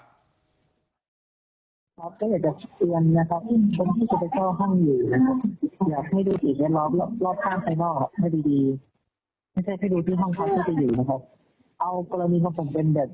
ก็อยากจะเตรียมนะครับคนที่จะไปเจ้าห้องอยู่นะครับ